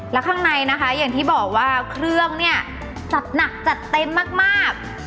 แล้วข้างในนะคะอย่างที่บอกว่าเครื่องเนี่ยจัดหนักจัดเต็มมาก